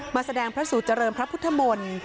แสดงพระสุเจริญพระพุทธมนตร์